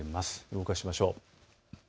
動かしましょう。